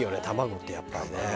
卵ってやっぱりね。